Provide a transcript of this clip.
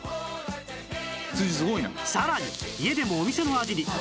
さらに家でもお店の味に！